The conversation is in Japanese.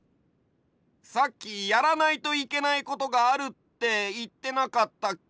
さっき「やらないといけないことがある」っていってなかったっけ？